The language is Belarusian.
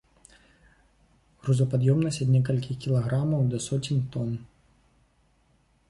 Грузапад'ёмнасць ад некалькіх кілаграмаў да соцень тон.